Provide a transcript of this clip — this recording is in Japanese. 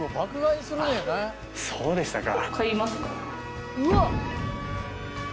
そうでしたか。